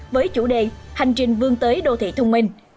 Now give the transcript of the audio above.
với chủ đề hành trình vương tới đô thị thông minh